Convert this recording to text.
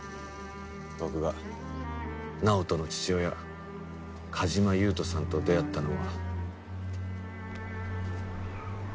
僕が直人の父親梶間優人さんと出会ったのは。